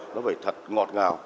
nó phải thật ngọt ngào